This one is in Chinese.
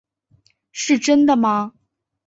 是真的吗？